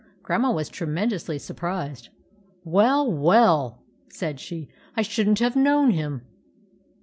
Grandma was tremendously surprised. "Well, well!" said she. "I shouldn't have known him."